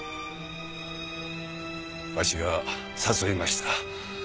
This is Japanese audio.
わしが誘いました。